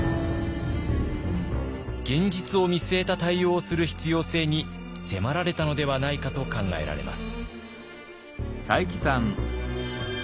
現実を見据えた対応をする必要性に迫られたのではないかと考えられます。